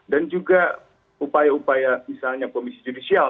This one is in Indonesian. dan juga upaya upaya misalnya komisi judicial